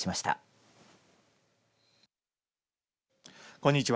こんにちは。